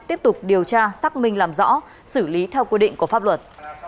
tiếp tục điều tra xác minh làm rõ xử lý theo quy định của pháp luật